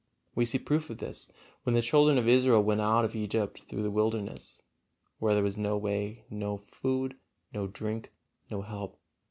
We see proof of this, when the children of Israel went out of Egypt through the Wilderness, where there was no way, no food, no drink, no help.